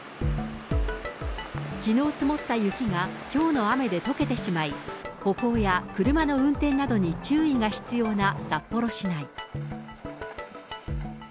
きのう積もった雪がきょうの雨でとけてしまい、歩行や車の運転などに注意が必要な札幌市内。